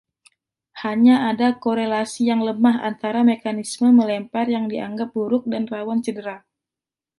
Hanya ada korelasi yang lemah antara mekanisme melempar yang dianggap buruk dan rawan cedera.